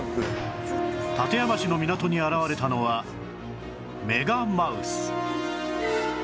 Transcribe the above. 館山市の港に現れたのはメガマウス